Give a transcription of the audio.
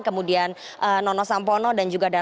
kemudian nono sampono dan juga